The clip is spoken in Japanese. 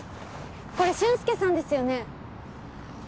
これ俊介さんですよね？